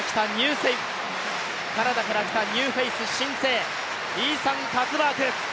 カナダから来たニューフェイス、新星、イーサン・カツバーグ。